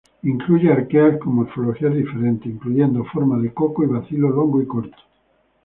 Incluye arqueas con morfologías diferentes, incluyendo forma de coco y bacilo longo y corto.